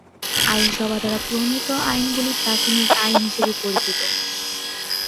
আইনসভা দ্বারা প্রণীত আইনগুলি প্রাথমিক আইন হিসাবে পরিচিত।